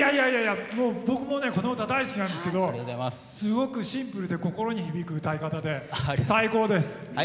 僕もこの歌大好きなんですけどすごくシンプルで心に響く歌い方で最高です！